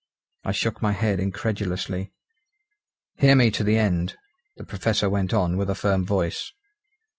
I shook my head incredulously. "Hear me to the end," the Professor went on with a firm voice.